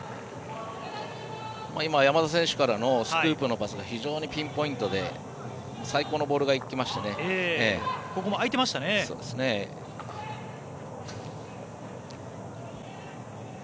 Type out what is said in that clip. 今、山田選手からのスクープが非常にピンポイントで最高のボールがいきました。